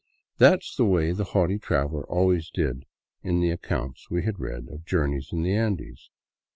That 's the way the haughty traveler always did in the accounts we had read of journeys in the Andes.